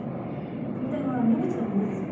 この電話野口のものですよね？